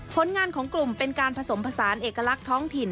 ผลงานของกลุ่มเป็นการผสมผสานเอกลักษณ์ท้องถิ่น